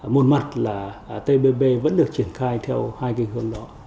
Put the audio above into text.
một mặt là tbb vẫn được triển khai theo hai cái hướng đó